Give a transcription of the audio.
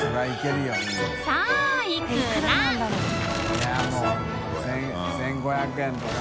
いやっもう１５００円とか。